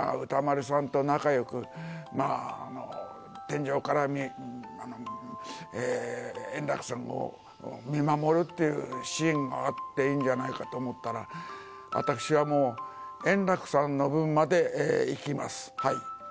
もっと稼いでもらってね、私のほうが歌丸さんと仲よく、まあ、天上から円楽さんを見守るっていうシーンがあっていいんじゃないかと思ったら、私はもう、円楽さんの分まで生きます。